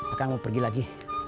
akang mau pergi lagi